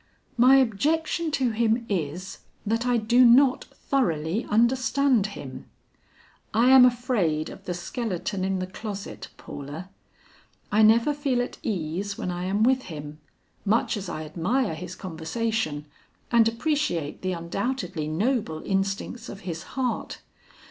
"My objection to him is, that I do not thoroughly understand him. I am afraid of the skeleton in the closet, Paula. I never feel at ease when I am with him, much as I admire his conversation and appreciate the undoubtedly noble instincts of his heart.